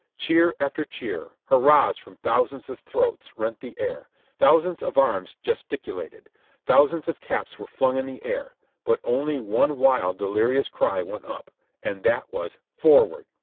Cheer after cheer, hurrahs from thousands of throats rent the air; thousands of arms gesticulated ; thousands of caps were flung in the air, but only one wild, delirious cry went up, and that was "Forward